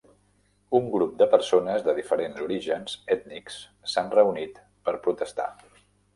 Un grup de persones de diferents orígens ètnics s'han reunit per protestar